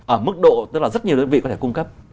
ở mức độ rất nhiều đơn vị có thể cung cấp